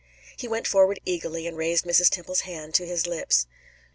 He went forward eagerly and raised Mrs. Temple's hand to his lips.